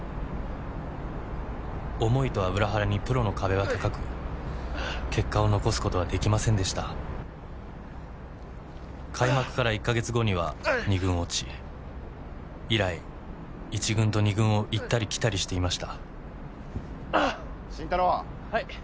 思いとは裏腹にプロの壁は高く結果を残すことはできませんでした開幕から１ヵ月後には二軍落ち以来一軍と二軍を行ったり来たりしていました慎太郎はい